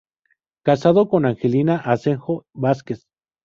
Casado con "Angelina Asenjo Vásquez".